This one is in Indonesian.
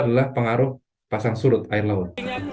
adalah pengaruh pasang surut air laut